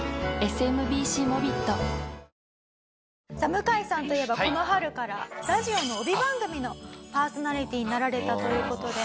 向井さんといえばこの春からラジオの帯番組のパーソナリティになられたという事で。